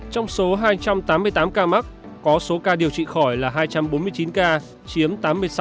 trong số hai trăm tám mươi tám ca mắc có số ca điều trị khỏi là hai trăm bốn mươi chín ca chiếm tám mươi sáu